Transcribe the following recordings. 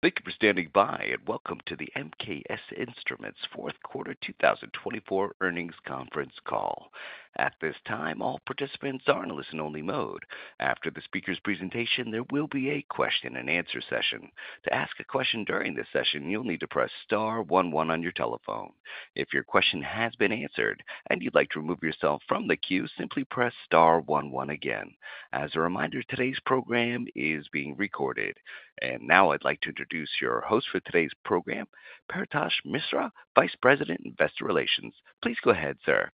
Thank you for standing by, and welcome to the MKS Instruments Fourth Quarter 2024 earnings conference call. At this time, all participants are in listen-only mode. After the speaker's presentation, there will be a question-and-answer session. To ask a question during this session, you'll need to press star one one on your telephone. If your question has been answered and you'd like to remove yourself from the queue, simply press star one one again. As a reminder, today's program is being recorded. And now I'd like to introduce your host for today's program, Paretosh Misra, Vice President, Investor Relations. Please go ahead, sir.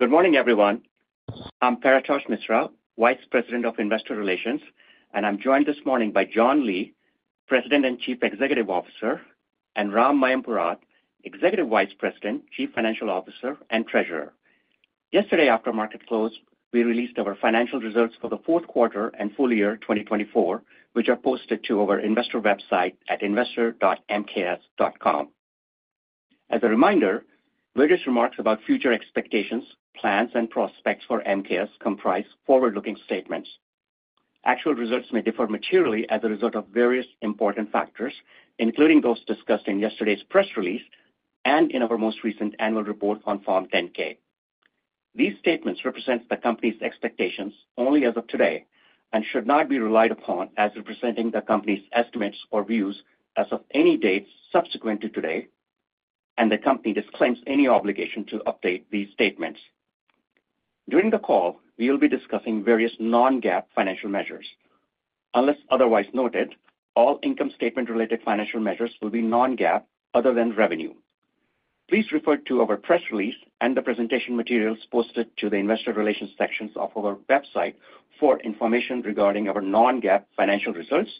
Good morning, everyone. I'm Paretosh Misra, Vice President of Investor Relations, and I'm joined this morning by John Lee, President and Chief Executive Officer, and Ram Mayampurath, Executive Vice President, Chief Financial Officer, and Treasurer. Yesterday, after market close, we released our financial results for the fourth quarter and full year 2024, which are posted to our investor website at investor.mks.com. As a reminder, various remarks about future expectations, plans, and prospects for MKS comprise forward-looking statements. Actual results may differ materially as a result of various important factors, including those discussed in yesterday's press release and in our most recent annual report on Form 10-K. These statements represent the company's expectations only as of today and should not be relied upon as representing the company's estimates or views as of any dates subsequent to today, and the company disclaims any obligation to update these statements. During the call, we will be discussing various non-GAAP financial measures. Unless otherwise noted, all income statement-related financial measures will be non-GAAP other than revenue. Please refer to our press release and the presentation materials posted to the Investor Relations sections of our website for information regarding our non-GAAP financial results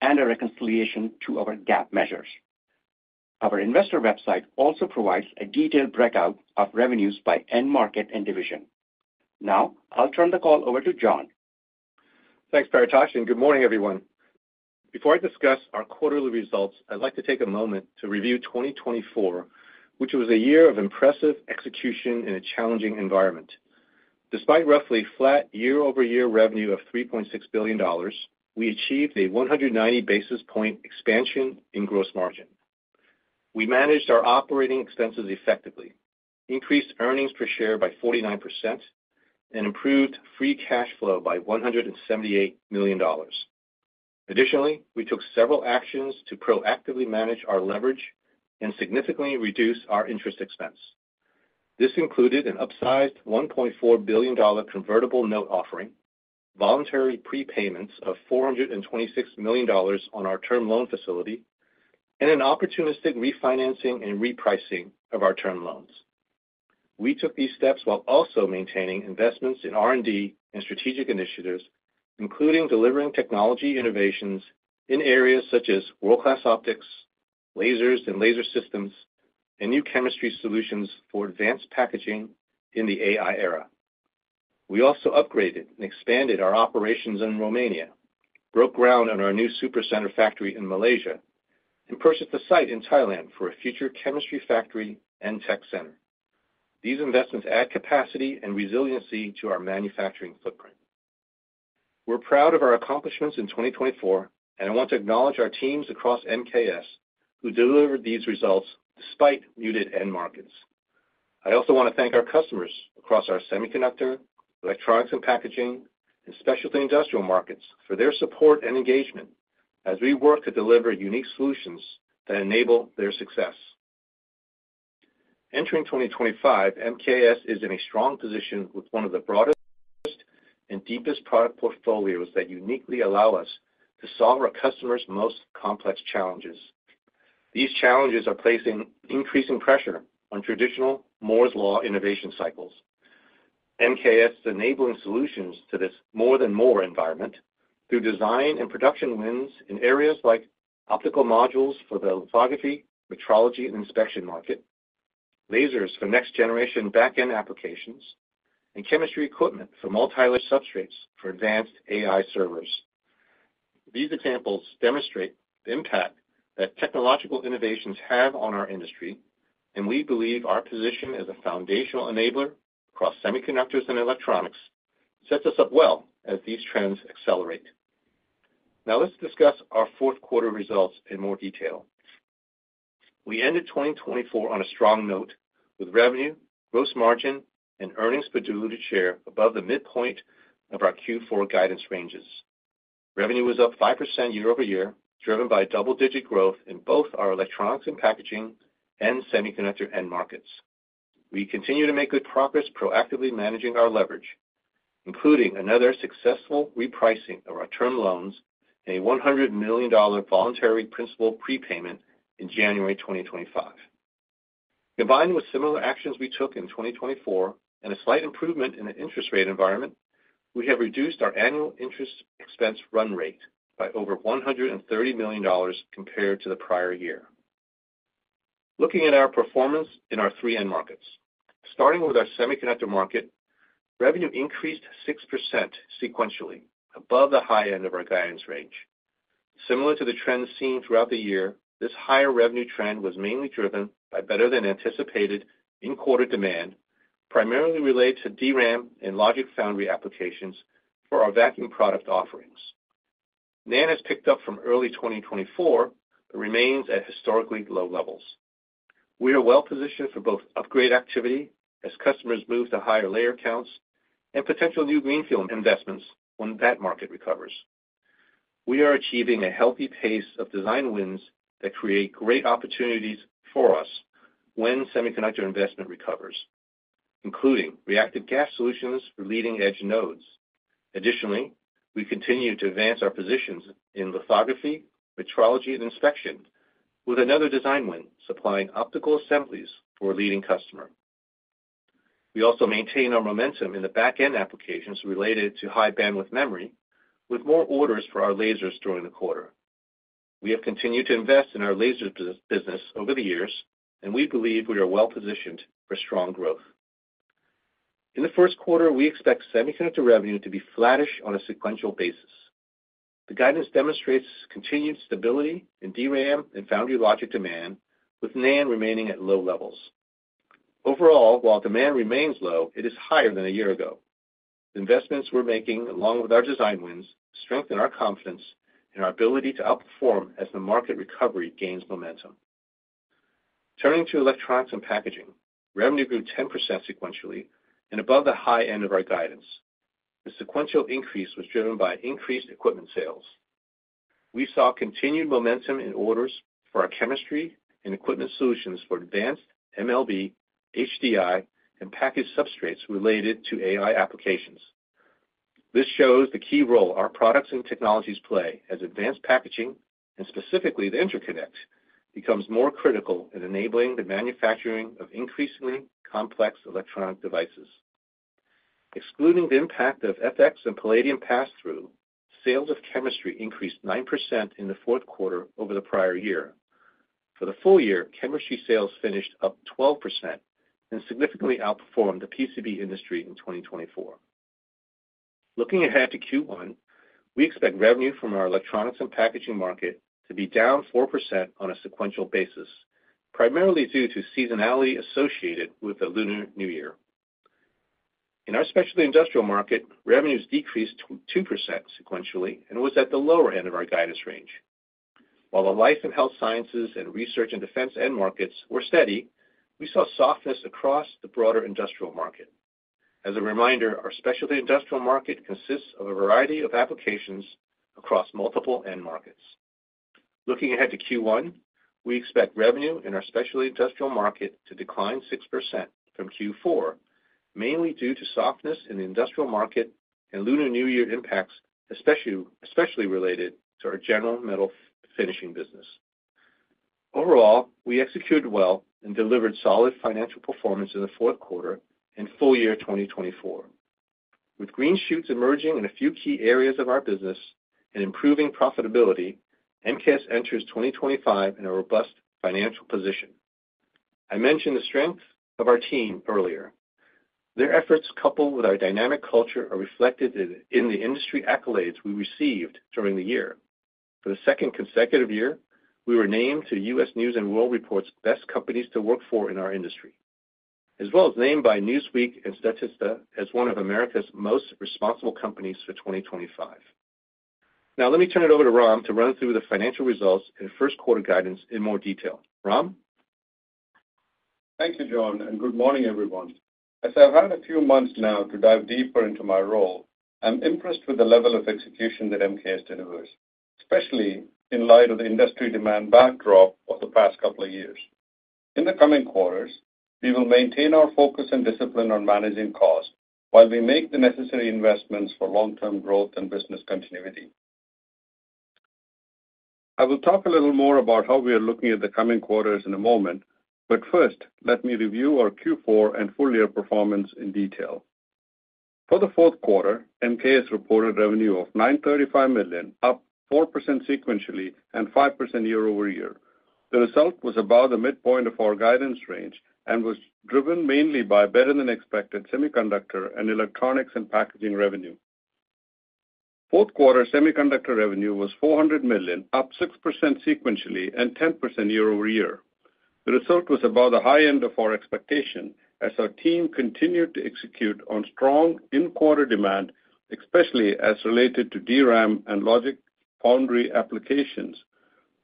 and a reconciliation to our GAAP measures. Our investor website also provides a detailed breakout of revenues by end market and division. Now, I'll turn the call over to John. Thanks, Paretosh, and good morning, everyone. Before I discuss our quarterly results, I'd like to take a moment to review 2024, which was a year of impressive execution in a challenging environment. Despite roughly flat year-over-year revenue of $3.6 billion, we achieved a 190 basis point expansion in gross margin. We managed our operating expenses effectively, increased earnings per share by 49%, and improved free cash flow by $178 million. Additionally, we took several actions to proactively manage our leverage and significantly reduce our interest expense. This included an upsized $1.4 billion convertible note offering, voluntary prepayments of $426 million on our term loan facility, and an opportunistic refinancing and repricing of our term loans. We took these steps while also maintaining investments in R&D and strategic initiatives, including delivering technology innovations in areas such as World-Class Optics, lasers and laser systems, and new chemistry solutions for advanced packaging in the AI era. We also upgraded and expanded our operations in Romania, broke ground on our new Super Center factory in Malaysia, and purchased a site in Thailand for a future chemistry factory and tech center. These investments add capacity and resiliency to our manufacturing footprint. We're proud of our accomplishments in 2024, and I want to acknowledge our teams across MKS who delivered these results despite muted end markets. I also want to thank our customers across our Semiconductor, electronics, packaging, and Specialty Industrial markets for their support and engagement as we work to deliver unique solutions that enable their success. Entering 2025, MKS is in a strong position with one of the broadest and deepest product portfolios that uniquely allow us to solve our customers' most complex challenges. These challenges are placing increasing pressure on traditional Moore's Law innovation cycles. MKS is enabling solutions to this More-than-Moore environment through design and production wins in areas like optical modules for the lithography, metrology, and inspection market, lasers for next-generation back-end applications, and chemistry equipment for multi-layer substrates for advanced AI servers. These examples demonstrate the impact that technological innovations have on our industry, and we believe our position as a foundational enabler across Semiconductors and electronics sets us up well as these trends accelerate. Now, let's discuss our fourth quarter results in more detail. We ended 2024 on a strong note with revenue, gross margin, and earnings per diluted share above the midpoint of our Q4 guidance ranges. Revenue was up 5% year-over-year, driven by double-digit growth in both our Electronics and Packaging and Semiconductor end markets. We continue to make good progress proactively managing our leverage, including another successful repricing of our term loans and a $100 million voluntary principal prepayment in January 2025. Combined with similar actions we took in 2024 and a slight improvement in the interest rate environment, we have reduced our annual interest expense run rate by over $130 million compared to the prior year. Looking at our performance in our three end markets, starting with our Semiconductor market, revenue increased 6% sequentially above the high end of our guidance range. Similar to the trends seen throughout the year, this higher revenue trend was mainly driven by better-than-anticipated in quarter demand, primarily related to DRAM and logic foundry applications for our vacuum product offerings. NAND has picked up from early 2024 but remains at historically low levels. We are well-positioned for both upgrade activity as customers move to higher layer counts and potential new greenfield investments when that market recovers. We are achieving a healthy pace of design wins that create great opportunities for us when Semiconductor investment recovers, including reactive gas solutions for leading-edge nodes. Additionally, we continue to advance our positions in lithography, metrology, and inspection with another design win supplying optical assemblies for a leading customer. We also maintain our momentum in the back-end applications related to high bandwidth memory with more orders for our lasers during the quarter. We have continued to invest in our laser business over the years, and we believe we are well-positioned for strong growth. In the first quarter, we expect Semiconductor revenue to be flattish on a sequential basis. The guidance demonstrates continued stability in DRAM and foundry logic demand, with NAND remaining at low levels. Overall, while demand remains low, it is higher than a year ago. Investments we're making, along with our design wins, strengthen our confidence in our ability to outperform as the market recovery gains momentum. Turning to Electronics and Packaging, revenue grew 10% sequentially and above the high end of our guidance. The sequential increase was driven by increased equipment sales. We saw continued momentum in orders for our chemistry and equipment solutions for advanced MLB, HDI, and package substrates related to AI applications. This shows the key role our products and technologies play as advanced packaging, and specifically the interconnect, becomes more critical in enabling the manufacturing of increasingly complex electronic devices. Excluding the impact of FX and palladium pass-through, sales of chemistry increased 9% in the fourth quarter over the prior year. For the full year, chemistry sales finished up 12% and significantly outperformed the PCB industry in 2024. Looking ahead to Q1, we expect revenue from our Electronics and Packaging market to be down 4% on a sequential basis, primarily due to seasonality associated with the Lunar New Year. In our Specialty Industrial market, revenues decreased 2% sequentially and was at the lower end of our guidance range. While the Life and Health Sciences and Research and Defense end markets were steady, we saw softness across the broader industrial market. As a reminder, our Specialty Industrial market consists of a variety of applications across multiple end markets. Looking ahead to Q1, we expect revenue in our Specialty Industrial market to decline 6% from Q4, mainly due to softness in the industrial market and Lunar New Year impacts, especially related to our General Metal Finishing business. Overall, we executed well and delivered solid financial performance in the fourth quarter and full year 2024. With green shoots emerging in a few key areas of our business and improving profitability, MKS enters 2025 in a robust financial position. I mentioned the strength of our team earlier. Their efforts, coupled with our dynamic culture, are reflected in the industry accolades we received during the year. For the second consecutive year, we were named to U.S. News & World Report's Best Companies to Work for in our industry, as well as named by Newsweek and Statista as one of America's Most Responsible Companies for 2025. Now, let me turn it over to Ram to run through the financial results and first quarter guidance in more detail. Ram? Thank you, John, and good morning, everyone. As I've had a few months now to dive deeper into my role, I'm impressed with the level of execution that MKS delivers, especially in light of the industry demand backdrop of the past couple of years. In the coming quarters, we will maintain our focus and discipline on managing costs while we make the necessary investments for long-term growth and business continuity. I will talk a little more about how we are looking at the coming quarters in a moment, but first, let me review our Q4 and full year performance in detail. For the fourth quarter, MKS reported revenue of $935 million, up 4% sequentially and 5% year-over-year. The result was above the midpoint of our guidance range and was driven mainly by better-than-expected Semiconductor and Electronics and Packaging revenue. Fourth quarter Semiconductor revenue was $400 million, up 6% sequentially and 10% year-over-year. The result was above the high end of our expectation as our team continued to execute on strong in-quarter demand, especially as related to DRAM and logic foundry applications,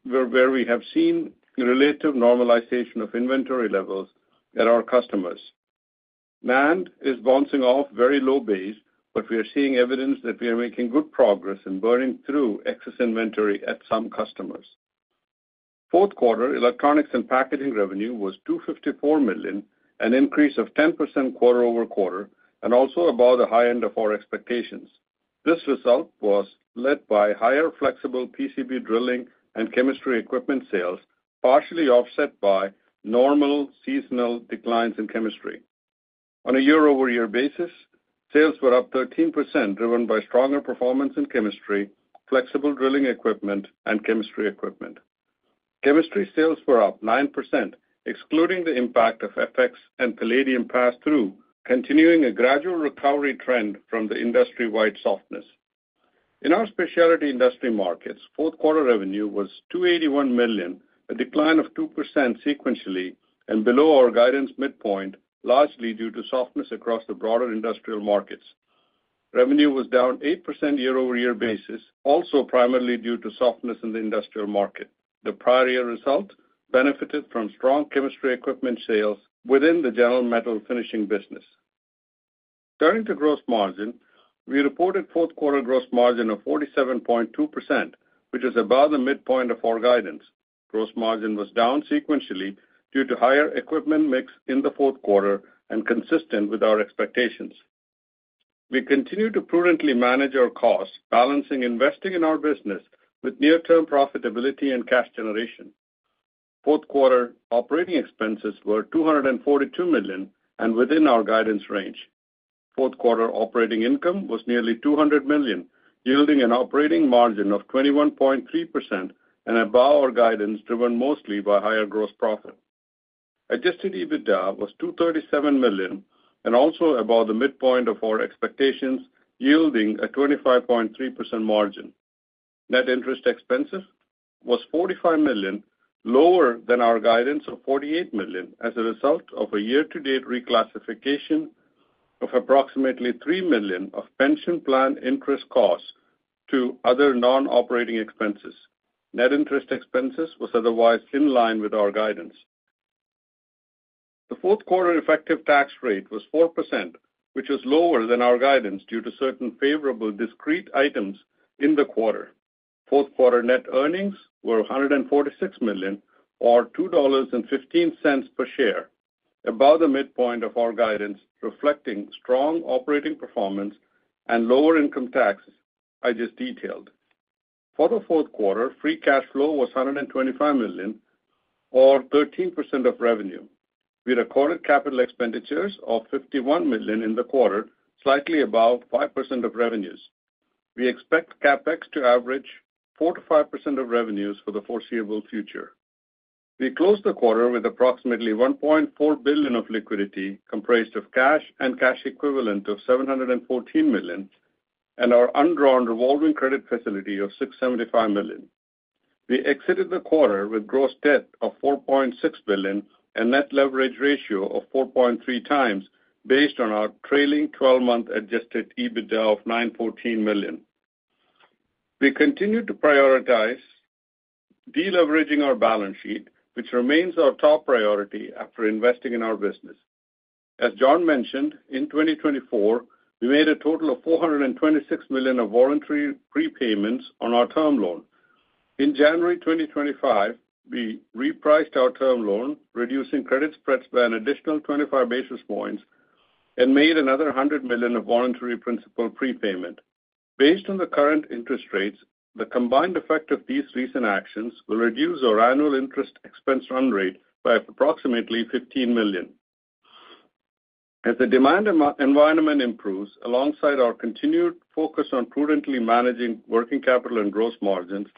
where we have seen relative normalization of inventory levels at our customers. NAND is bouncing off very low base, but we are seeing evidence that we are making good progress in burning through excess inventory at some customers. Fourth quarter Electronics and Packaging revenue was $254 million, an increase of 10% quarter-over-quarter, and also above the high end of our expectations. This result was led by higher flexible PCB drilling and chemistry equipment sales, partially offset by normal seasonal declines in chemistry. On a year-over-year basis, sales were up 13%, driven by stronger performance in chemistry, flexible drilling equipment, and chemistry equipment. Chemistry sales were up 9%, excluding the impact of FX and palladium pass-through, continuing a gradual recovery trend from the industry-wide softness. In our specialty industry markets, fourth quarter revenue was $281 million, a decline of 2% sequentially and below our guidance midpoint, largely due to softness across the broader industrial markets. Revenue was down 8% year-over-year basis, also primarily due to softness in the industrial market. The prior year result benefited from strong chemistry equipment sales within the General Metal Finishing business. Turning to gross margin, we reported fourth quarter gross margin of 47.2%, which was above the midpoint of our guidance. Gross margin was down sequentially due to higher equipment mix in the fourth quarter and consistent with our expectations. We continue to prudently manage our costs, balancing investing in our business with near-term profitability and cash generation. Fourth quarter operating expenses were $242 million and within our guidance range. Fourth quarter operating income was nearly $200 million, yielding an operating margin of 21.3% and above our guidance, driven mostly by higher gross profit. Adjusted EBITDA was $237 million and also above the midpoint of our expectations, yielding a 25.3% margin. Net interest expenses was $45 million, lower than our guidance of $48 million as a result of a year-to-date reclassification of approximately $3 million of pension plan interest costs to other non-operating expenses. Net interest expenses was otherwise in line with our guidance. The fourth quarter effective tax rate was 4%, which was lower than our guidance due to certain favorable discrete items in the quarter. Fourth quarter net earnings were $146 million, or $2.15 per share, above the midpoint of our guidance, reflecting strong operating performance and lower income taxes, I just detailed. For the fourth quarter, free cash flow was $125 million, or 13% of revenue. We recorded capital expenditures of $51 million in the quarter, slightly above 5% of revenues. We expect CapEx to average 4%-5% of revenues for the foreseeable future. We closed the quarter with approximately $1.4 billion of liquidity, comprised of cash and cash equivalents of $714 million, and our undrawn revolving credit facility of $675 million. We exited the quarter with gross debt of $4.6 billion and net leverage ratio of 4.3x, based on our trailing 12-month adjusted EBITDA of $914 million. We continue to prioritize deleveraging our balance sheet, which remains our top priority after investing in our business. As John mentioned, in 2024, we made a total of $426 million of voluntary prepayments on our term loan. In January 2025, we repriced our term loan, reducing credit spreads by an additional 25 basis points, and made another $100 million of voluntary principal prepayment. Based on the current interest rates, the combined effect of these recent actions will reduce our annual interest expense run rate by approximately $15 million. As the demand environment improves, alongside our continued focus on prudently managing working capital and gross margins,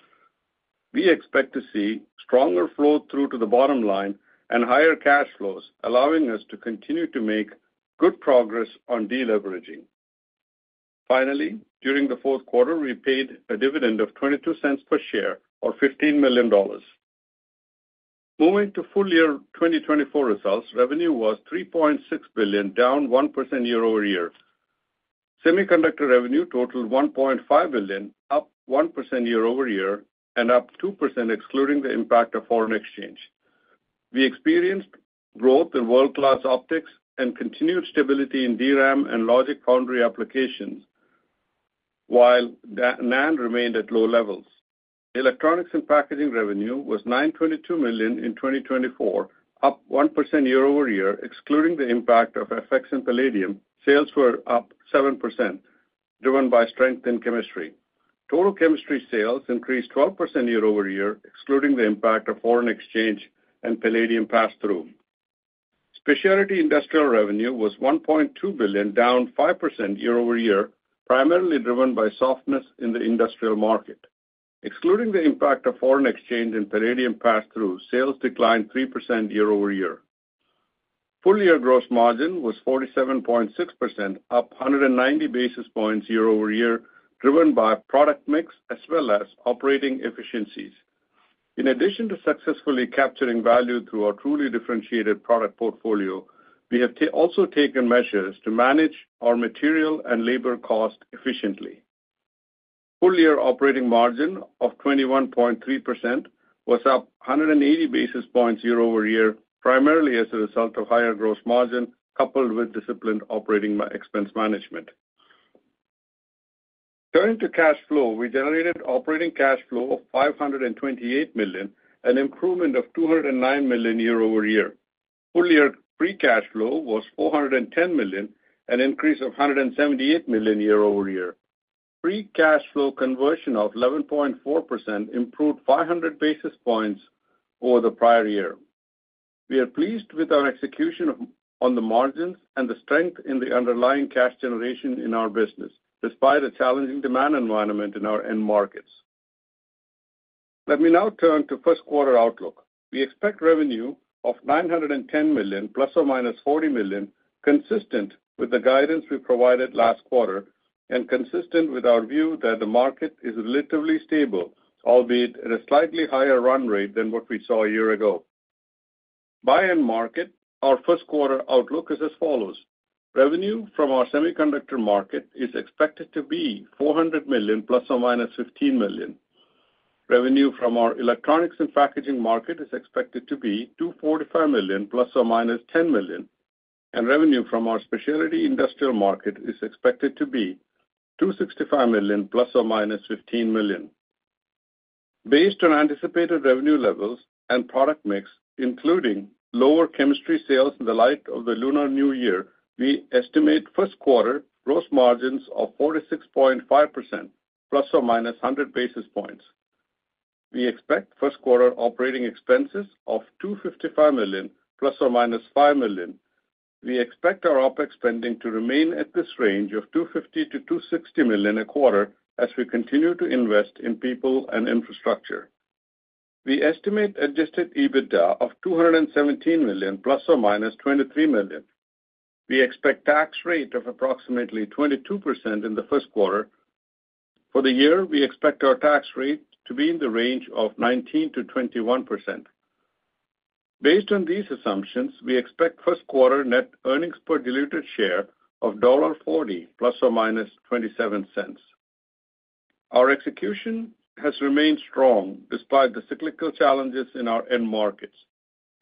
we expect to see stronger flow through to the bottom line and higher cash flows, allowing us to continue to make good progress on deleveraging. Finally, during the fourth quarter, we paid a dividend of $0.22 per share, or $15 million. Moving to full year 2024 results, revenue was $3.6 billion, down 1% year-over-year. Semiconductor revenue totaled $1.5 billion, up 1% year-over-year and up 2%, excluding the impact of foreign exchange. We experienced growth in world-class optics and continued stability in DRAM and Logic Foundry applications, while NAND remained at low levels. Electronics and packaging revenue was $922 million in 2024, up 1% year-over-year, excluding the impact of FX and palladium. Sales were up 7%, driven by strength in chemistry. Total chemistry sales increased 12% year-over-year, excluding the impact of foreign exchange and palladium pass-through. Specialty industrial revenue was $1.2 billion, down 5% year-over-year, primarily driven by softness in the industrial market. Excluding the impact of foreign exchange and palladium pass-through, sales declined 3% year-over-year. Full year gross margin was 47.6%, up 190 basis points year-over-year, driven by product mix as well as operating efficiencies. In addition to successfully capturing value through our truly differentiated product portfolio, we have also taken measures to manage our material and labor costs efficiently. Full year operating margin of 21.3% was up 180 basis points year-over-year, primarily as a result of higher gross margin coupled with disciplined operating expense management. Turning to cash flow, we generated operating cash flow of $528 million, an improvement of $209 million year-over-year. Full year free cash flow was $410 million, an increase of $178 million year-over-year. Free cash flow conversion of 11.4% improved 500 basis points over the prior year. We are pleased with our execution on the margins and the strength in the underlying cash generation in our business, despite a challenging demand environment in our end markets. Let me now turn to first quarter outlook. We expect revenue of $910 million, ±$40 million, consistent with the guidance we provided last quarter and consistent with our view that the market is relatively stable, albeit at a slightly higher run rate than what we saw a year ago. By end market, our first quarter outlook is as follows. Revenue from our Semiconductor market is expected to be $400 million, ±$15 million. Revenue from our Electronics and Packaging market is expected to be $245 million, ±$10 million. And revenue from our Specialty Industrial market is expected to be $265 million, ±$15 million. Based on anticipated revenue levels and product mix, including lower chemistry sales in the light of the Lunar New Year, we estimate first quarter gross margins of 46.5%, plus or minus 100 basis points. We expect first quarter operating expenses of $255 million, ±$5 million. We expect our OpEx spending to remain at this range of $250-$260 million a quarter as we continue to invest in people and infrastructure. We estimate adjusted EBITDA of $217 million, ±$23 million. We expect tax rate of approximately 22% in the first quarter. For the year, we expect our tax rate to be in the range of 19%-21%. Based on these assumptions, we expect first quarter net earnings per diluted share of $1.40, ±$0.27. Our execution has remained strong despite the cyclical challenges in our end markets.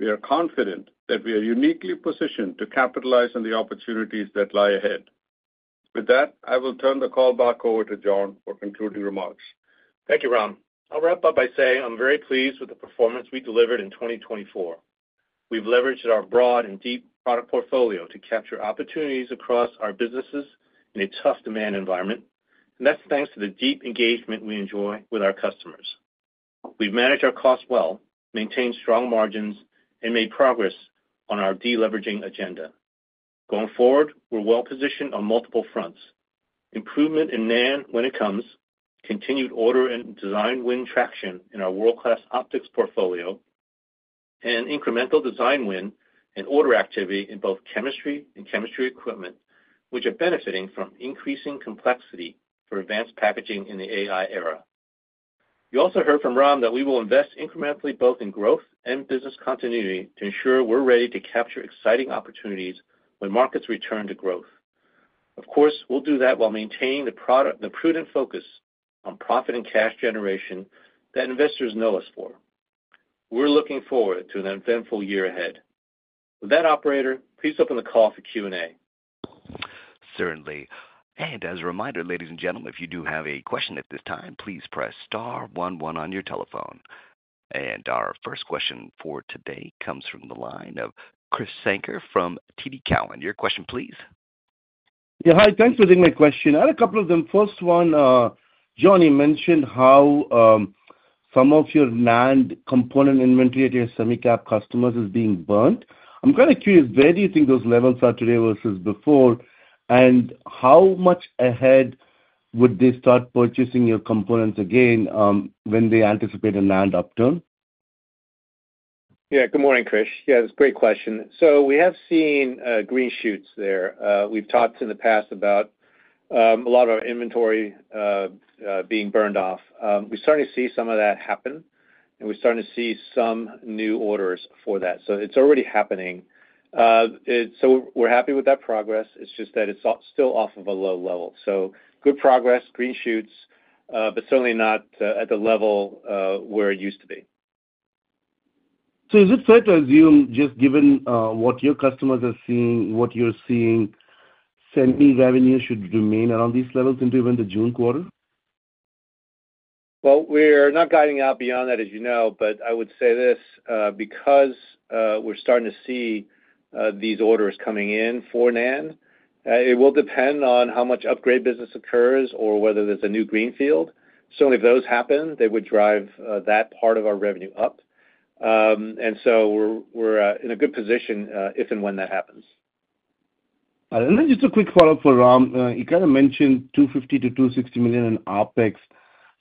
We are confident that we are uniquely positioned to capitalize on the opportunities that lie ahead. With that, I will turn the call back over to John for concluding remarks. Thank you, Ram. I'll wrap up by saying I'm very pleased with the performance we delivered in 2024. We've leveraged our broad and deep product portfolio to capture opportunities across our businesses in a tough demand environment, and that's thanks to the deep engagement we enjoy with our customers. We've managed our costs well, maintained strong margins, and made progress on our deleveraging agenda. Going forward, we're well positioned on multiple fronts: improvement in NAND when it comes, continued order and design win traction in our world-class optics portfolio, and incremental design win and order activity in both chemistry and chemistry equipment, which are benefiting from increasing complexity for advanced packaging in the AI era. You also heard from Ram that we will invest incrementally both in growth and business continuity to ensure we're ready to capture exciting opportunities when markets return to growth. Of course, we'll do that while maintaining the prudent focus on profit and cash generation that investors know us for. We're looking forward to an eventful year ahead. With that, Operator, please open the call for Q&A. Certainly. And as a reminder, ladies and gentlemen, if you do have a question at this time, please press star one one on your telephone. And our first question for today comes from the line of Krish Sankar from TD Cowen. Your question, please. Yeah, hi. Thanks for taking my question. I had a couple of them. First one, John, you mentioned how some of your NAND component inventory at your semi-cap customers is being burnt. I'm kind of curious, where do you think those levels are today versus before, and how much ahead would they start purchasing your components again when they anticipate a NAND upturn? Yeah, good morning, Chris. Yeah, that's a great question. So we have seen green shoots there. We've talked in the past about a lot of our inventory being burned off. We're starting to see some of that happen, and we're starting to see some new orders for that. So it's already happening. So we're happy with that progress. It's just that it's still off of a low level. So good progress, green shoots, but certainly not at the level where it used to be. So is it fair to assume, just given what your customers are seeing, what you're seeing, semi revenue should remain around these levels into even the June quarter? We're not guiding out beyond that, as you know. But I would say this: because we're starting to see these orders coming in for NAND, it will depend on how much upgrade business occurs or whether there's a new greenfield. Certainly, if those happen, they would drive that part of our revenue up, and so we're in a good position if and when that happens. And then just a quick follow-up for Ram. You kind of mentioned $250-$260 million in OpEx.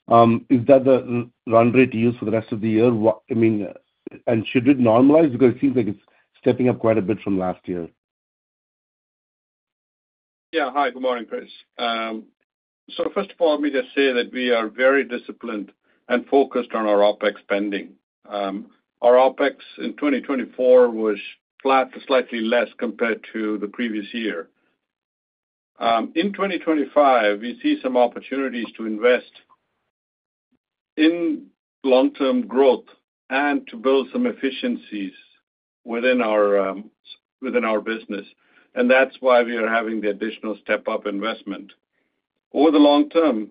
Is that the run rate used for the rest of the year? I mean, and should it normalize? Because it seems like it's stepping up quite a bit from last year. Yeah. Hi, good morning, Chris. So first of all, I'll just say that we are very disciplined and focused on our OpEx spending. Our OpEx in 2024 was flat to slightly less compared to the previous year. In 2025, we see some opportunities to invest in long-term growth and to build some efficiencies within our business. And that's why we are having the additional step-up investment. Over the long term,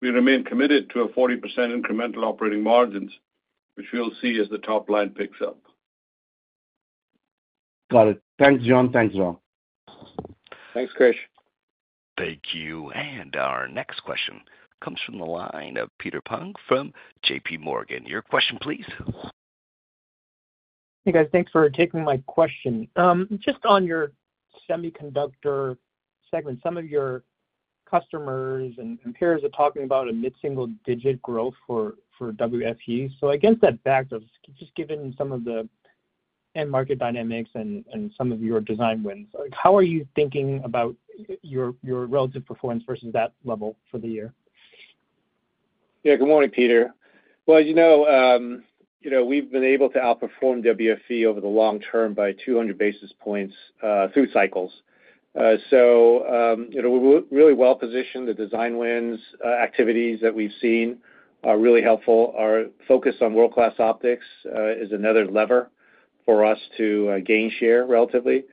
we remain committed to a 40% incremental operating margins, which we'll see as the top line picks up. Got it. Thanks, John. Thanks, Ram. Thanks, Chris. Thank you. And our next question comes from the line of Peter Peng from JPMorgan. Your question, please. Hey, guys. Thanks for taking my question. Just on your Semiconductor segment, some of your customers and peers are talking about a mid-single-digit growth for WFE. So against that backdrop, just given some of the end market dynamics and some of your design wins, how are you thinking about your relative performance versus that level for the year? Yeah, good morning, Peter. Well, as you know, we've been able to outperform WFE over the long term by 200 basis points through cycles. So we're really well positioned. The design wins activities that we've seen are really helpful. Our focus on world-class optics is another lever for us to gain share relatively.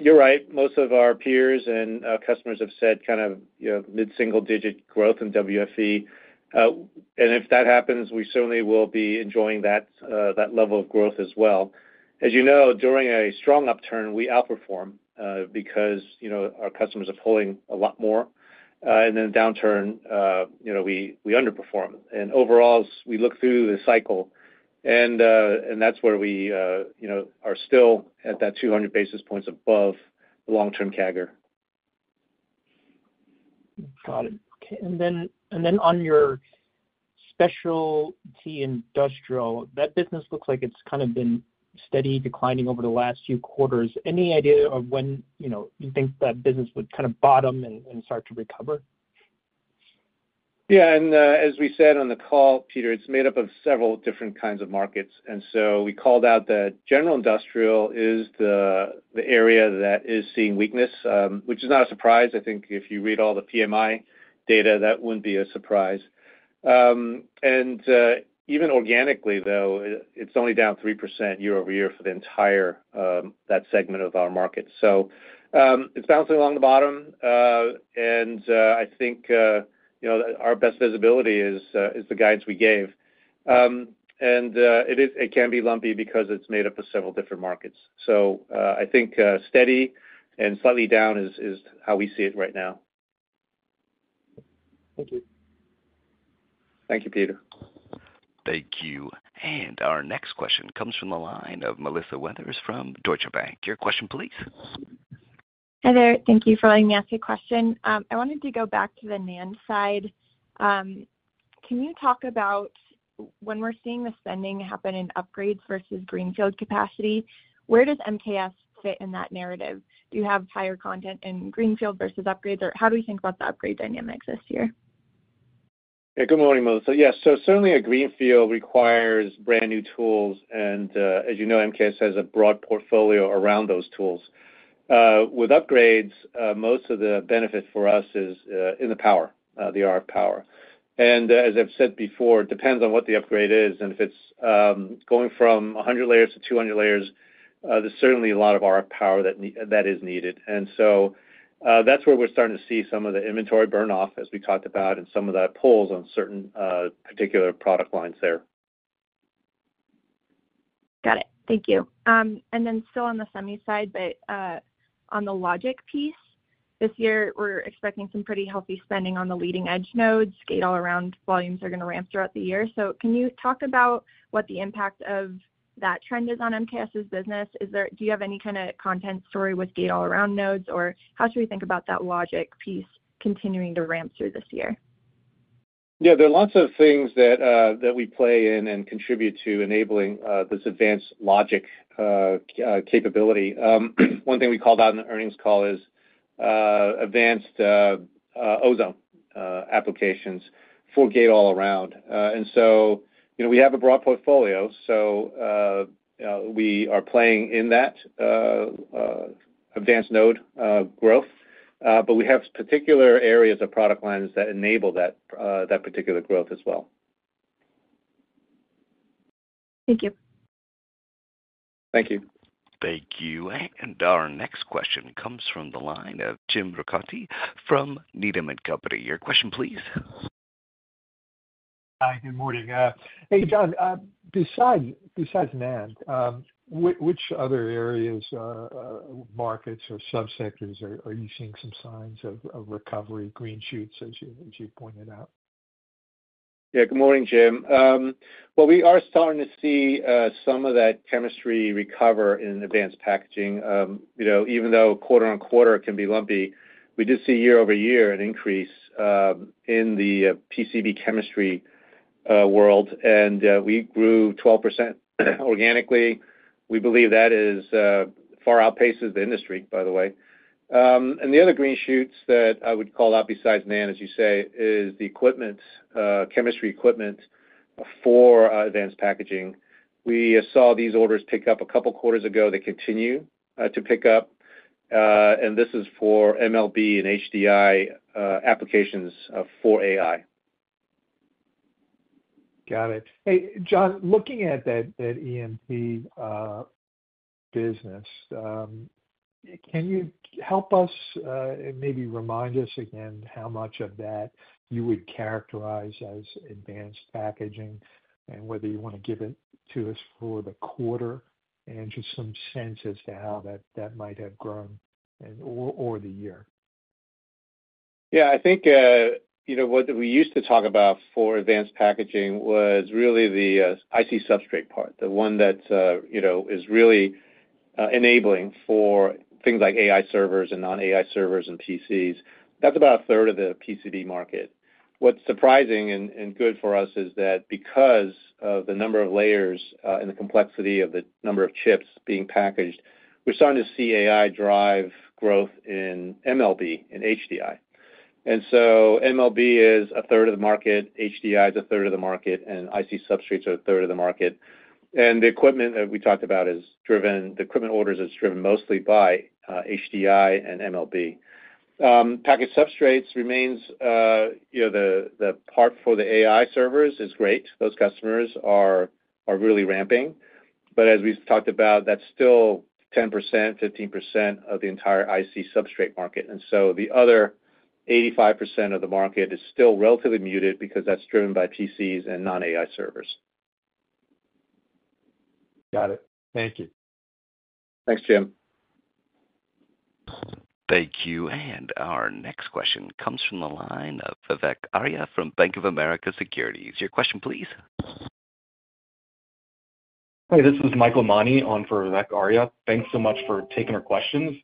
You're right. Most of our peers and customers have said kind of mid-single-digit growth in WFE. And if that happens, we certainly will be enjoying that level of growth as well. As you know, during a strong upturn, we outperform because our customers are pulling a lot more. And then downturn, we underperform. And overall, we look through the cycle, and that's where we are still at that 200 basis points above the long-term CAGR. Got it. Okay. And then on your Specialty Industrial, that business looks like it's kind of been steady declining over the last few quarters. Any idea of when you think that business would kind of bottom and start to recover? Yeah, and as we said on the call, Peter, it's made up of several different kinds of markets, and so we called out that general industrial is the area that is seeing weakness, which is not a surprise. I think if you read all the PMI data, that wouldn't be a surprise, and even organically, though, it's only down 3% year-over-year for the entire segment of our market. So it's bouncing along the bottom, and I think our best visibility is the guidance we gave, and it can be lumpy because it's made up of several different markets, so I think steady and slightly down is how we see it right now. Thank you. Thank you, Peter. Thank you. And our next question comes from the line of Melissa Weathers from Deutsche Bank. Your question, please. Hi there. Thank you for letting me ask a question. I wanted to go back to the NAND side. Can you talk about when we're seeing the spending happen in upgrades versus greenfield capacity, where does MKS fit in that narrative? Do you have higher content in greenfield versus upgrades, or how do we think about the upgrade dynamics this year? Yeah, good morning, Melissa. Yes. So certainly, a greenfield requires brand new tools, and as you know, MKS has a broad portfolio around those tools. With upgrades, most of the benefit for us is in the power, the RF power, and as I've said before, it depends on what the upgrade is, and if it's going from 100 layers to 200 layers, there's certainly a lot of RF power that is needed, and so that's where we're starting to see some of the inventory burn off, as we talked about, and some of the pulls on certain particular product lines there. Got it. Thank you, and then still on the semi side, but on the logic piece, this year, we're expecting some pretty healthy spending on the leading-edge nodes. Gate-all-around volumes are going to ramp throughout the year, so can you talk about what the impact of that trend is on MKS's business? Do you have any kind of content story with gate-all-around nodes, or how should we think about that logic piece continuing to ramp through this year? Yeah. There are lots of things that we play in and contribute to enabling this advanced logic capability. One thing we called out in the earnings call is advanced ozone applications for gate-all-around. And so we have a broad portfolio, so we are playing in that advanced node growth, but we have particular areas of product lines that enable that particular growth as well. Thank you. Thank you. Thank you. And our next question comes from the line of Jim Ricchiuti from Needham & Company. Your question, please. Hi, good morning. Hey, John, besides NAND, which other areas, markets, or subsectors are you seeing some signs of recovery, green shoots, as you pointed out? Yeah, good morning, Jim. Well, we are starting to see some of that chemistry recover in advanced packaging. Even though quarter on quarter can be lumpy, we did see year-over-year an increase in the PCB chemistry world, and we grew 12% organically. We believe that far outpaces the industry, by the way. And the other green shoots that I would call out besides NAND, as you say, is the chemistry equipment for advanced packaging. We saw these orders pick up a couple of quarters ago. They continue to pick up. And this is for MLB and HDI applications for AI. Got it. Hey, John, looking at that EMP business, can you help us and maybe remind us again how much of that you would characterize as advanced packaging and whether you want to give it to us for the quarter and just some sense as to how that might have grown over the year? Yeah. I think what we used to talk about for advanced packaging was really the IC substrate part, the one that is really enabling for things like AI servers and non-AI servers and PCs. That's about a third of the PCB market. What's surprising and good for us is that because of the number of layers and the complexity of the number of chips being packaged, we're starting to see AI drive growth in MLB and HDI. And so MLB is a third of the market. HDI is a third of the market, and IC substrates are a third of the market. And the equipment that we talked about, the equipment orders are driven mostly by HDI and MLB. Package substrates remain the part for the AI servers, which is great. Those customers are really ramping. But as we've talked about, that's still 10%, 15% of the entire IC substrate market. And so the other 85% of the market is still relatively muted because that's driven by PCs and non-AI servers. Got it. Thank you. Thanks, Jim. Thank you. And our next question comes from the line of Vivek Arya from Bank of America Securities. Your question, please. Hi, this is Michael Mani on for Vivek Arya. Thanks so much for taking our questions.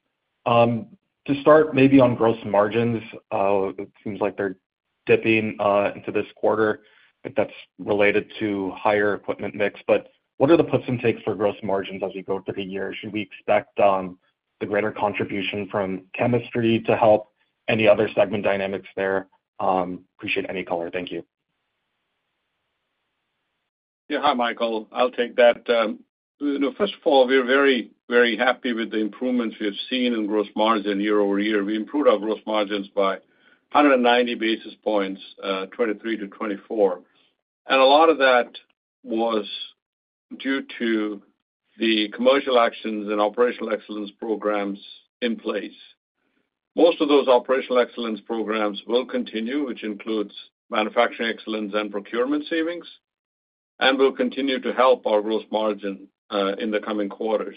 To start, maybe on gross margins, it seems like they're dipping into this quarter. I think that's related to higher equipment mix. But what are the puts and takes for gross margins as we go through the year? Should we expect the greater contribution from chemistry to help any other segment dynamics there? Appreciate any color. Thank you. Yeah. Hi, Michael. I'll take that. First of all, we're very, very happy with the improvements we have seen in gross margin year over year. We improved our gross margins by 190 basis points, 2023 to 2024. And a lot of that was due to the commercial actions and operational excellence programs in place. Most of those operational excellence programs will continue, which includes manufacturing excellence and procurement savings, and will continue to help our gross margin in the coming quarters.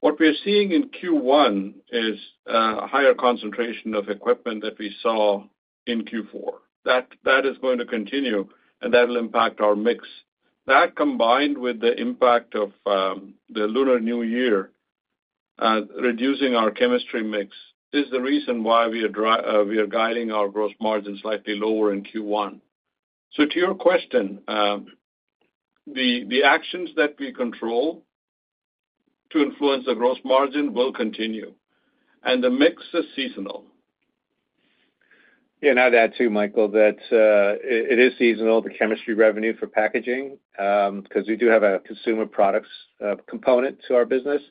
What we are seeing in Q1 is a higher concentration of equipment that we saw in Q4. That is going to continue, and that will impact our mix. That, combined with the impact of the Lunar New Year, reducing our chemistry mix, is the reason why we are guiding our gross margin slightly lower in Q1. So to your question, the actions that we control to influence the gross margin will continue. And the mix is seasonal. Yeah. Now, that too, Michael. It is seasonal, the chemistry revenue for packaging, because we do have a consumer products component to our business.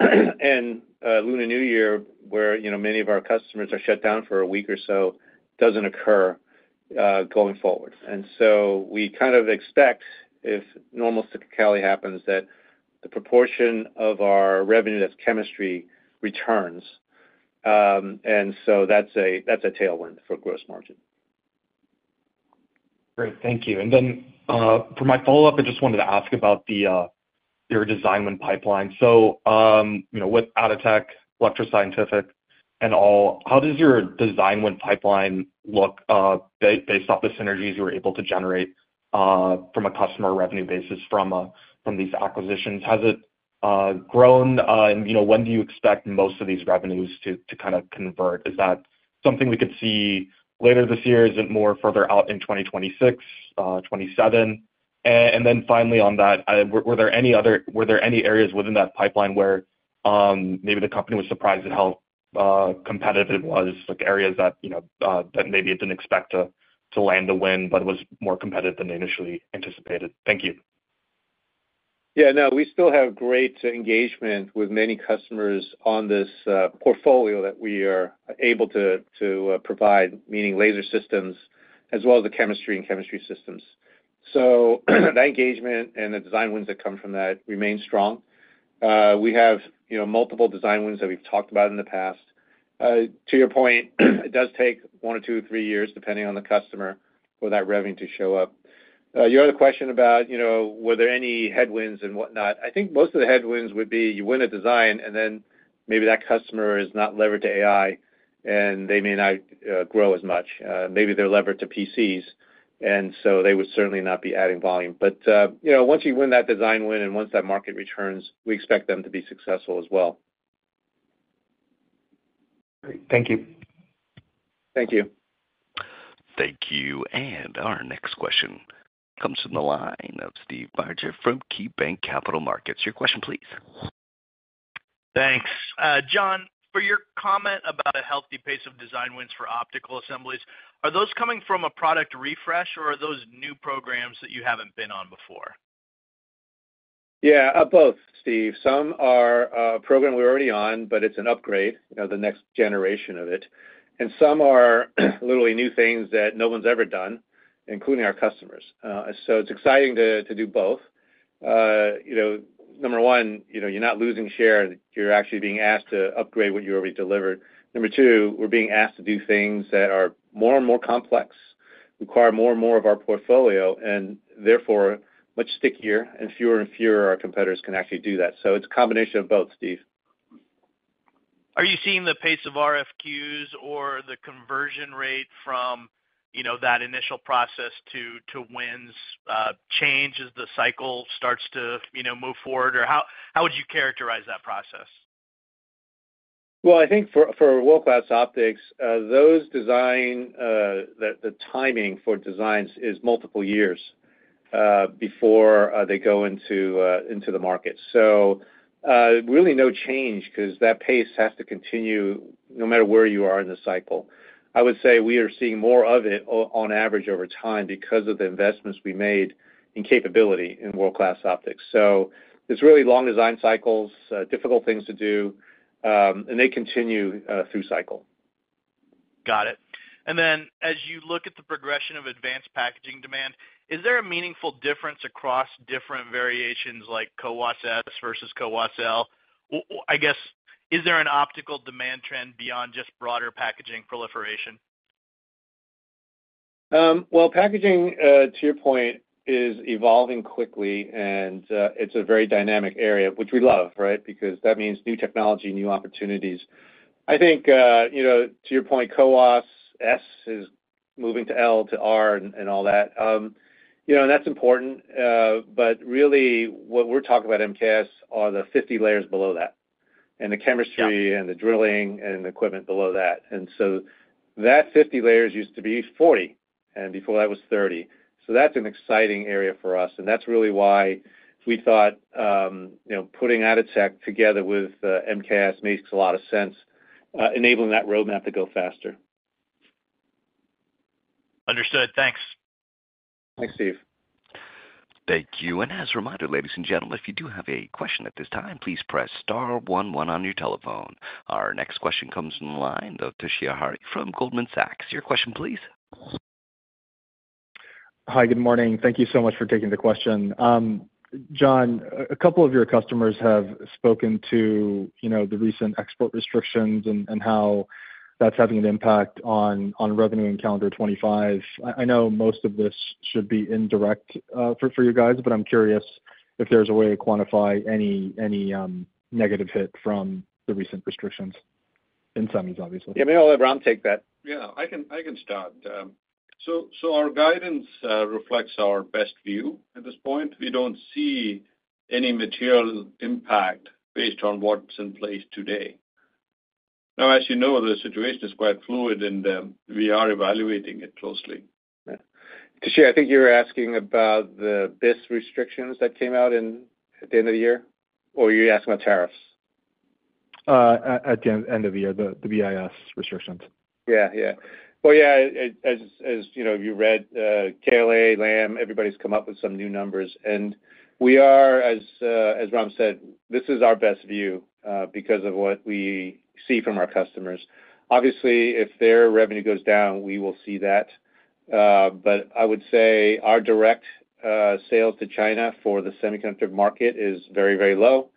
And Lunar New Year, where many of our customers are shut down for a week or so, doesn't occur going forward. And so we kind of expect, if normal cyclicality happens, that the proportion of our revenue that's chemistry returns. And so that's a tailwind for gross margin. Great. Thank you. And then for my follow-up, I just wanted to ask about your design win pipeline. So with Atotech, Electro Scientific, and all, how does your design win pipeline look based off the synergies you were able to generate from a customer revenue basis from these acquisitions? Has it grown? And when do you expect most of these revenues to kind of convert? Is that something we could see later this year? Is it more further out in 2026, 2027? And then finally on that, were there any areas within that pipeline where maybe the company was surprised at how competitive it was, like areas that maybe it didn't expect to land the win, but it was more competitive than they initially anticipated? Thank you. Yeah. No, we still have great engagement with many customers on this portfolio that we are able to provide, meaning laser systems as well as the chemistry and chemistry systems. So that engagement and the design wins that come from that remain strong. We have multiple design wins that we've talked about in the past. To your point, it does take one or two, three years, depending on the customer, for that revenue to show up. Your other question about were there any headwinds and whatnot, I think most of the headwinds would be you win a design, and then maybe that customer is not levered to AI, and they may not grow as much. Maybe they're levered to PCs, and so they would certainly not be adding volume. But once you win that design win and once that market returns, we expect them to be successful as well. Great. Thank you. Thank you. Thank you. And our next question comes from the line of Steve Barger from KeyBanc Capital Markets. Your question, please. Thanks, John, for your comment about a healthy pace of design wins for optical assemblies, are those coming from a product refresh, or are those new programs that you haven't been on before? Yeah, both, Steve. Some are a program we're already on, but it's an upgrade, the next generation of it. And some are literally new things that no one's ever done, including our customers. So it's exciting to do both. Number one, you're not losing share. You're actually being asked to upgrade what you already delivered. Number two, we're being asked to do things that are more and more complex, require more and more of our portfolio, and therefore much stickier, and fewer and fewer of our competitors can actually do that. So it's a combination of both, Steve. Are you seeing the pace of RFQs or the conversion rate from that initial process to wins change as the cycle starts to move forward? Or how would you characterize that process? I think for world-class optics, the timing for designs is multiple years before they go into the market. Really no change because that pace has to continue no matter where you are in the cycle. I would say we are seeing more of it on average over time because of the investments we made in capability in world -class optics. It's really long design cycles, difficult things to do, and they continue through cycle. Got it. And then as you look at the progression of advanced packaging demand, is there a meaningful difference across different variations like CoWoS-S versus CoWoS-L? I guess, is there an optical demand trend beyond just broader packaging proliferation? Well, packaging, to your point, is evolving quickly, and it's a very dynamic area, which we love, right, because that means new technology, new opportunities. I think, to your point, CoWoS-S is moving to L, to R, and all that. And that's important. But really, what we're talking about at MKS are the 50 layers below that, and the chemistry and the drilling and the equipment below that. And so that 50 layers used to be 40, and before that was 30. So that's an exciting area for us. And that's really why we thought putting Atotech together with MKS makes a lot of sense, enabling that roadmap to go faster. Understood. Thanks. Thanks, Steve. Thank you. And as a reminder, ladies and gentlemen, if you do have a question at this time, please press star one one on your telephone. Our next question comes from the line of Toshiya Hari from Goldman Sachs. Your question, please. Hi, good morning. Thank you so much for taking the question. John, a couple of your customers have spoken to the recent export restrictions and how that's having an impact on revenue in calendar 2025. I know most of this should be indirect for you guys, but I'm curious if there's a way to quantify any negative hit from the recent restrictions, in some ways, obviously. Yeah, maybe I'll let Ram take that. Yeah, I can start. So our guidance reflects our best view at this point. We don't see any material impact based on what's in place today. Now, as you know, the situation is quite fluid, and we are evaluating it closely. Toshiya, I think you were asking about the BIS restrictions that came out at the end of the year, or you're asking about tariffs? At the end of the year, the BIS restrictions. Yeah, yeah. Well, yeah, as you read, KLA, Lam, everybody's come up with some new numbers. And we are, as Ram said, this is our best view because of what we see from our customers. Obviously, if their revenue goes down, we will see that. But I would say our direct sales to China for the Semiconductor market is very, very low.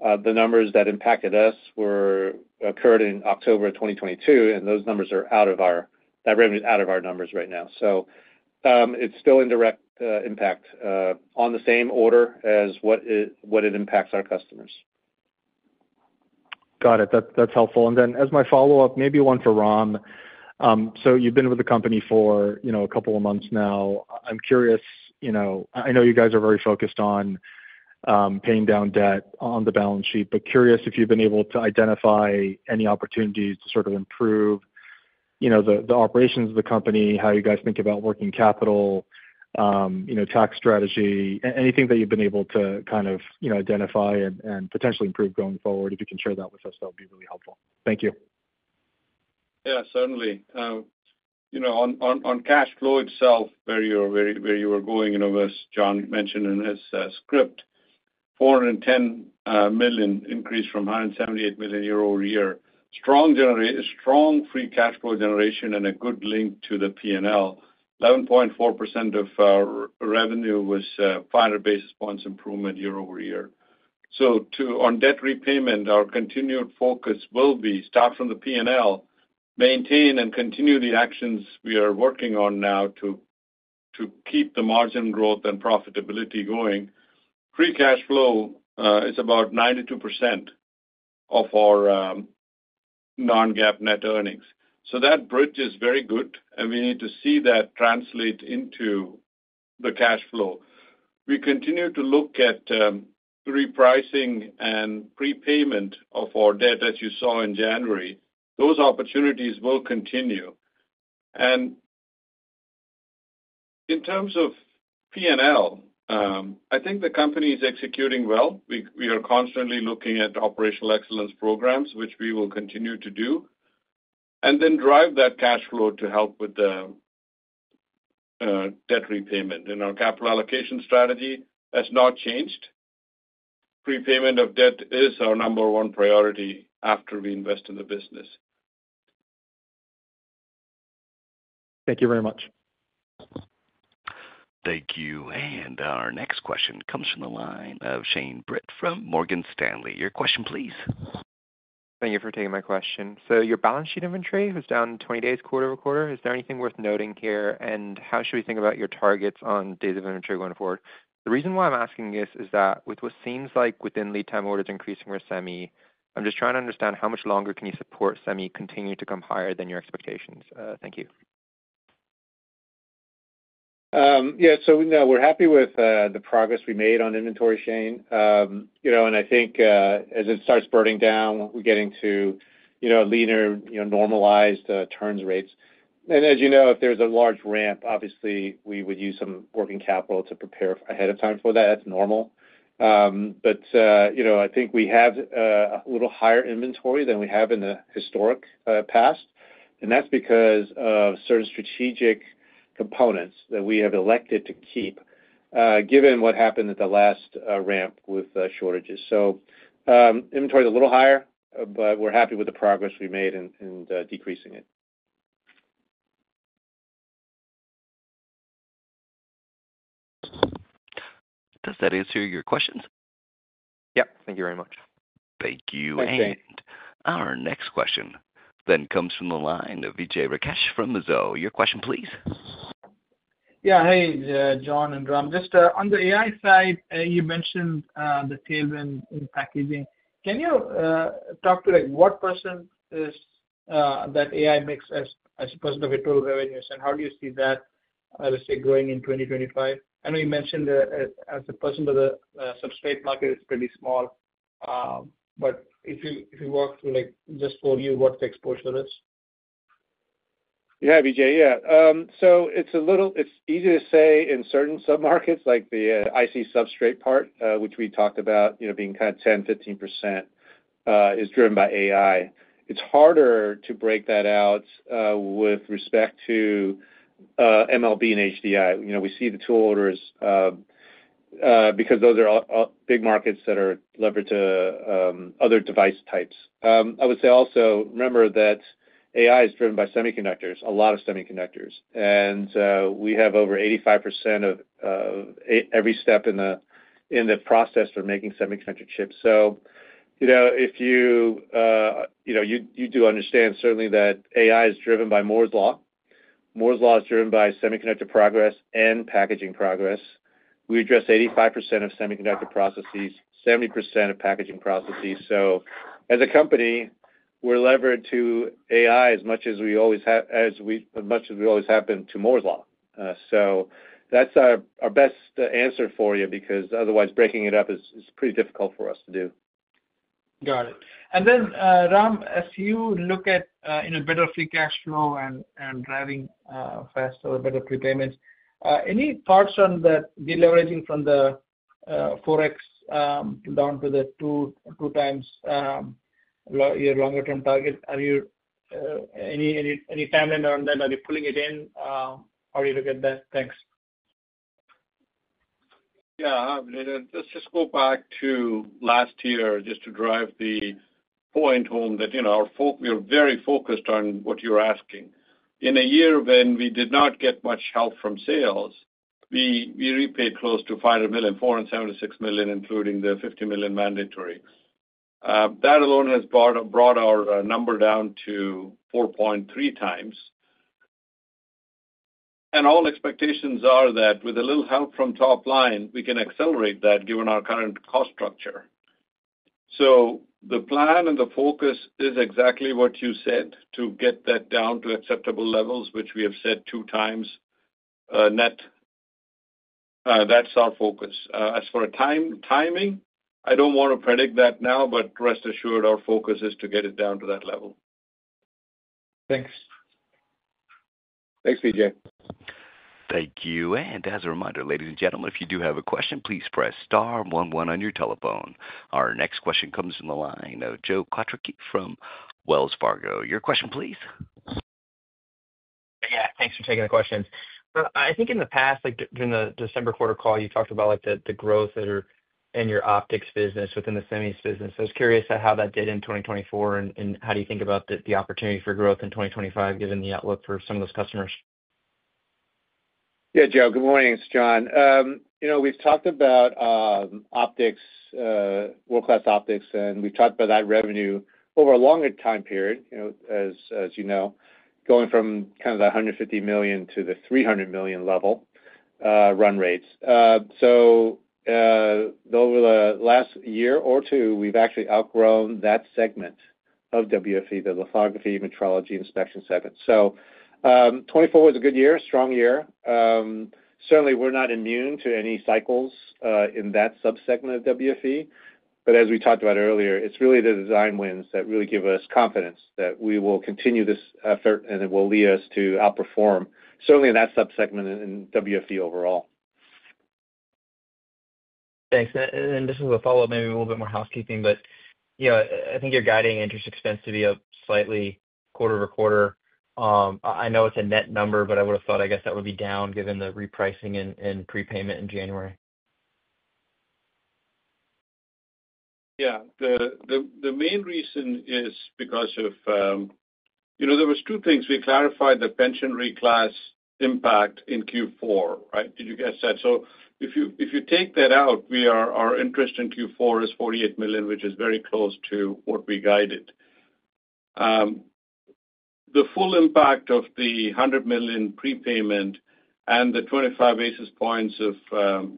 The numbers that impacted us occurred in October of 2022, and those numbers are out of our numbers right now. That revenue is out of our numbers right now. So it's still indirect impact on the same order as what it impacts our customers. Got it. That's helpful. And then as my follow-up, maybe one for Ram. So you've been with the company for a couple of months now. I'm curious. I know you guys are very focused on paying down debt on the balance sheet, but curious if you've been able to identify any opportunities to sort of improve the operations of the company, how you guys think about working capital, tax strategy, anything that you've been able to kind of identify and potentially improve going forward. If you can share that with us, that would be really helpful. Thank you. Yeah, certainly. On cash flow itself, where you were going, as John mentioned in his script, $410 million increased from $178 million year over year. Strong free cash flow generation and a good link to the P&L. 11.4% of revenue was 500 basis points improvement year-over-year. So on debt repayment, our continued focus will be start from the P&L, maintain and continue the actions we are working on now to keep the margin growth and profitability going. Free cash flow is about 92% of our non-GAAP net earnings. So that bridge is very good, and we need to see that translate into the cash flow. We continue to look at repricing and prepayment of our debt, as you saw in January. Those opportunities will continue. And in terms of P&L, I think the company is executing well. We are constantly looking at operational excellence programs, which we will continue to do, and then drive that cash flow to help with the debt repayment. Our capital allocation strategy has not changed. Prepayment of debt is our number one priority after we invest in the business. Thank you very much. Thank you. And our next question comes from the line of Shane Brett from Morgan Stanley. Your question, please. Thank you for taking my question. So your balance sheet inventory was down 20 days quarter to quarter. Is there anything worth noting here, and how should we think about your targets on days of inventory going forward? The reason why I'm asking this is that with what seems like within lead time orders increasing for semi, I'm just trying to understand how much longer can you support semi continue to come higher than your expectations. Thank you. Yeah. So now we're happy with the progress we made on inventory, Shane. And I think as it starts burning down, we're getting to a leaner, normalized turn rates. And as you know, if there's a large ramp, obviously, we would use some working capital to prepare ahead of time for that. That's normal. But I think we have a little higher inventory than we have in the historic past, and that's because of certain strategic components that we have elected to keep, given what happened at the last ramp with shortages. So inventory is a little higher, but we're happy with the progress we made in decreasing it. Does that answer your questions? Yep. Thank you very much. Thank you. And our next question then comes from the line of Vijay Rakesh from Mizuho. Your question, please. Yeah. Hey, John and Ram. Just on the AI side, you mentioned the tailwind in packaging. Can you talk to what percent is that AI mix as a percent of your total revenues, and how do you see that, let's say, growing in 2025? I know you mentioned as a percent of the substrate market is pretty small, but if you work through, just for you, what the exposure is? Yeah, Vijay, yeah. So it's easy to say in certain submarkets, like the IC substrate part, which we talked about being kind of 10%-15%, is driven by AI. It's harder to break that out with respect to MLB and HDI. We see the tool orders because those are big markets that are levered to other device types. I would say also, remember that AI is driven by Semiconductors, a lot of Semiconductors. And we have over 85% of every step in the process for making Semiconductor chips. So if you do understand, certainly, that AI is driven by Moore's Law. Moore's Law is driven by Semiconductor progress and packaging progress. We address 85% of Semiconductor processes, 70% of packaging processes. So as a company, we're levered to AI as much as we always have been to Moore's Law. So that's our best answer for you because otherwise, breaking it up is pretty difficult for us to do. Got it. And then, Ram, as you look at better free cash flow and driving faster or better prepayments, any thoughts on the deleveraging from the 4X down to the 2X year longer-term target? Any timeline on that? Are you pulling it in? How do you look at that? Thanks. Yeah. Let's just go back to last year just to drive the point home that we were very focused on what you're asking. In a year when we did not get much help from sales, we repaid close to $500 million, $476 million, including the $50 million mandatory. That alone has brought our number down to 4.3 times, and all expectations are that with a little help from top line, we can accelerate that given our current cost structure, so the plan and the focus is exactly what you said, to get that down to acceptable levels, which we have said two times net. That's our focus. As for timing, I don't want to predict that now, but rest assured, our focus is to get it down to that level. Thanks. Thanks, Vijay. Thank you. And as a reminder, ladies and gentlemen, if you do have a question, please press star one one on your telephone. Our next question comes from the line of Joe Quatrochi from Wells Fargo. Your question, please. Yeah. Thanks for taking the questions. I think in the past, during the December quarter call, you talked about the growth in your optics business, within the semis business. I was curious how that did in 2024, and how do you think about the opportunity for growth in 2025, given the outlook for some of those customers? Yeah, Joe, good morning. It's John. We've talked about world-class optics, and we've talked about that revenue over a longer time period, as you know, going from kind of the $150 million to the $300 million level run rates. So over the last year or two, we've actually outgrown that segment of WFE, the lithography metrology inspection segment. So 2024 was a good year, strong year. Certainly, we're not immune to any cycles in that subsegment of WFE. But as we talked about earlier, it's really the design wins that really give us confidence that we will continue this effort, and it will lead us to outperform, certainly in that subsegment and WFE overall. Thanks. And this is a follow-up, maybe a little bit more housekeeping, but I think you're guiding interest expense to be up slightly quarter to quarter. I know it's a net number, but I would have thought, I guess, that would be down given the repricing and prepayment in January. Yeah. The main reason is because of there were two things. We clarified the pension reclass impact in Q4, right? Did you get that? So if you take that out, our interest in Q4 is $48 million, which is very close to what we guided. The full impact of the $100 million prepayment and the 25 basis points of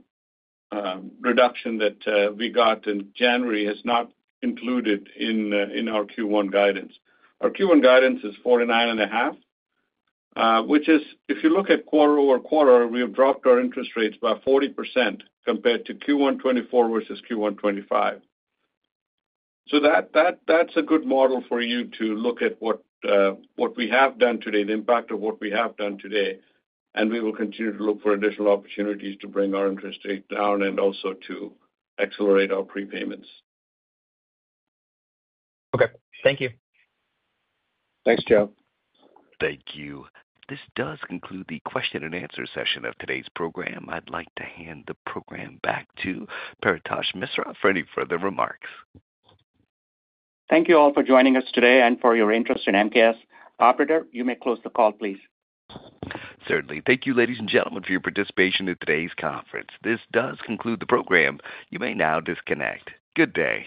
reduction that we got in January has not included in our Q1 guidance. Our Q1 guidance is $49.5 million, which is, if you look at quarter over quarter, we have dropped our interest rates by 40% compared to Q1 2024 versus Q1 2025. So that's a good model for you to look at what we have done today, the impact of what we have done today, and we will continue to look for additional opportunities to bring our interest rate down and also to accelerate our prepayments. Okay. Thank you. Thanks, Joe. Thank you. This does conclude the question and answer session of today's program. I'd like to hand the program back to Paretosh Misra for any further remarks. Thank you all for joining us today and for your interest in MKS. Operator, you may close the call, please. Certainly. Thank you, ladies and gentlemen, for your participation in today's conference. This does conclude the program. You may now disconnect. Good day.